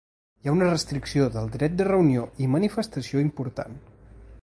Hi ha una restricció del dret de reunió i manifestació important.